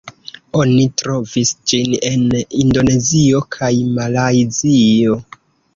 Oni trovis ĝin en Indonezio kaj Malajzio.